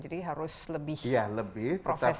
jadi harus lebih profesional lagi